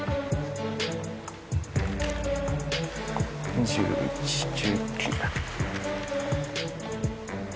２１１９。